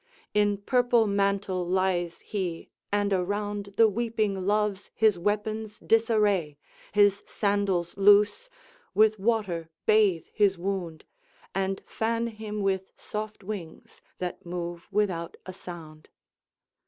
In purple mantle lies he, and around, The weeping Loves his weapons disarray, His sandals loose, with water bathe his wound, And fan him with soft wings that move without a sound.